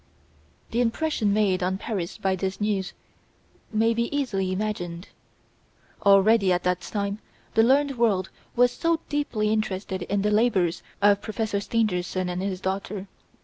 The impression made on Paris by this news may be easily imagined. Already, at that time, the learned world was deeply interested in the labours of Professor Stangerson and his daughter.